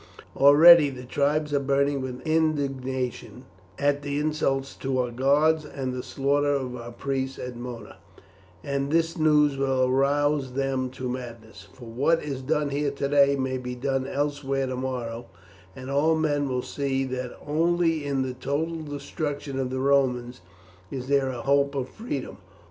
Already the tribes are burning with indignation at the insults to our gods and the slaughter of our priests at Mona, and this news will arouse them to madness, for what is done here today may be done elsewhere tomorrow, and all men will see that only in the total destruction of the Romans is there a hope of freedom.